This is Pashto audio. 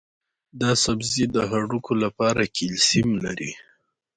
دا سبزی د هډوکو لپاره کلسیم لري.